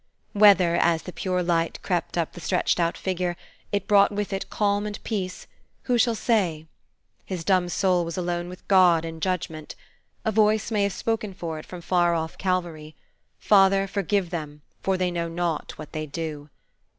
Whether, as the pure light crept up the stretched out figure, it brought with It calm and peace, who shall say? His dumb soul was alone with God in judgment. A Voice may have spoken for it from far off Calvary, "Father, forgive them, for they know not what they do!"